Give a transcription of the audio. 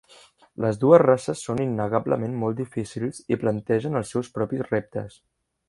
Les dues races són innegablement molt difícils i plantegen els seus propis reptes.